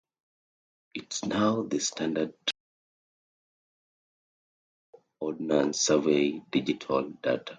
It is now the standard transfer format for Ordnance Survey digital data.